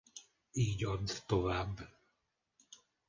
Így add tovább!